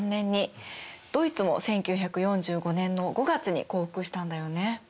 ドイツも１９４５年の５月に降伏したんだよね。